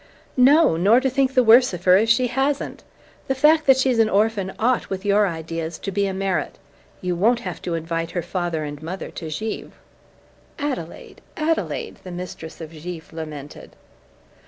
"No; nor to think the worse of her if she hasn't. The fact that she's an orphan ought, with your ideas, to be a merit. You won't have to invite her father and mother to Givre!" "Adelaide Adelaide!" the mistress of Givre lamented.